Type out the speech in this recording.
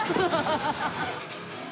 ハハハッ！